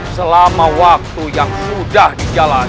selama waktu yang sudah dijalani